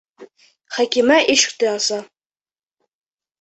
Хәкимә ишекте аса.